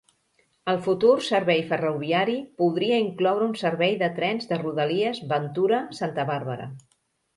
El futur servei ferroviari podria incloure un servei de trens de rodalies Ventura-Santa Barbara.